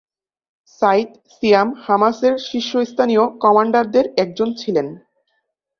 Saeed Siam হামাসের শীর্ষস্থানীয় কমান্ডারদের একজন ছিলেন।